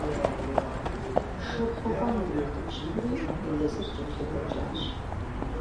Шыр хъупӏэм ириутӏыпщхьэри, езыр кӏэлъыдэкӏащ.